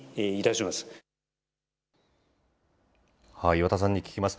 岩田さんに聞きます。